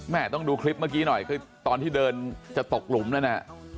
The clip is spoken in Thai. แม่ต้องดูคลิปที่เดินจะตกหลุมนะ